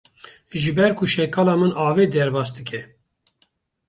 Ji ber ku şekala min avê derbas dike.